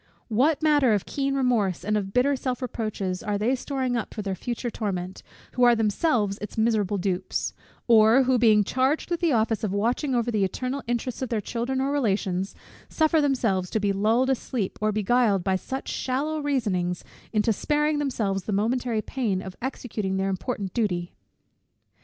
What matter of keen remorse and of bitter self reproaches are they storing up for their future torment, who are themselves its miserable dupes; or who, being charged with the office of watching over the eternal interests of their children or relations, suffer themselves to be lulled asleep, or beguiled by such shallow reasonings into sparing themselves the momentary pain of executing their important duty!